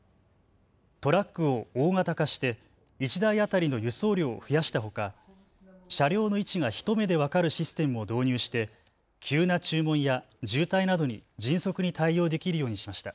トラックを大型化して１台当たりの輸送量を増やしたほか車両の位置が一目で分かるシステムも導入して急な注文や渋滞などに迅速に対応できるようにしました。